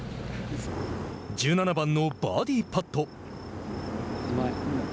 １７番のバーディーパット。